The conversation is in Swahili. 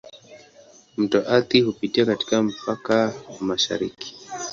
Mto Athi hupitia katika mpaka wa mashariki.